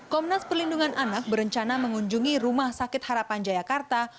komnas perlindungan anak berencana mengunjungi rumah sakit harapan jayakarta